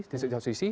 di setiap sisi